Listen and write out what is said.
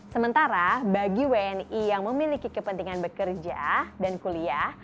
sementara bagi wni yang memiliki kepentingan bekerja dan kuliah